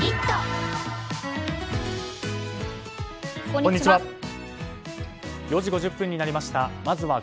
こんにちは。